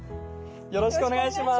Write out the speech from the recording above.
よろしくお願いします。